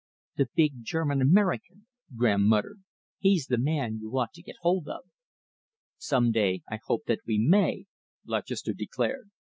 "The big German American," Graham muttered. "He's the man you ought to get hold of." "Some day I hope that we may," Lutchester declared.